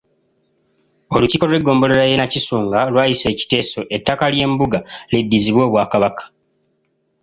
Olukiiko lw’eggombolola y’e Nakisunga lwayisa ekiteeso ettaka ly'embuga liddizibwe Obwakabaka.